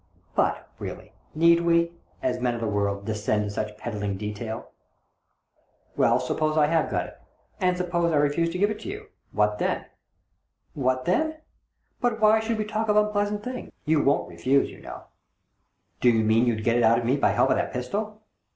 But, really, need we, as men of the world, descend to such peddling detail ?"" Well, suppose I have got it, and suppose I refuse to give it you. What then ?" "What then? But why should we talk of 138 THE DORRINGTON DEED BOX unpleasant things ? You won't refuse, you know." " Do you mean you'd get it out of me by help of that pistol